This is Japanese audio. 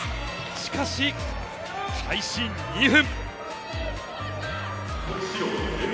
しかし、開始２分。